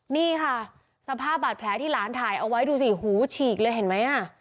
นี่ค่ะสภาพบาดแผลที่หลานถ่ายเอาไว้ดูสิหูฉีกเลยเห็นไหมอ่ะ